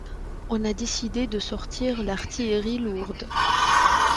On a décidé de sortir l’artillerie lourde.